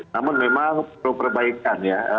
namun memang perlu perbaikan ya